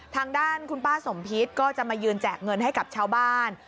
ทางด้านคุณป้าสมพิษก็จะมายืนแจกเงินให้กับชาวบ้าน